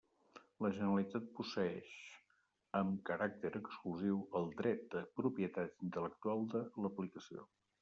La Generalitat posseïx, amb caràcter exclusiu, el dret de propietat intel·lectual de l'aplicació.